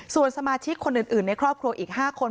ส่วนสมาชิกคนอื่นในครอบครัวอีก๕คน